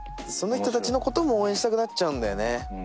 その人達のことも応援したくなっちゃうんだよね